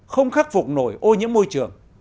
không khắc phục nổi ô nhiễm môi trường